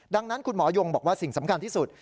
ดังนั้นคุณหมอยงบอกว่าสิ่งสำคัญที่สุด